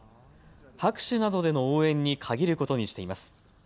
拍手などでの応援に限ることにしています。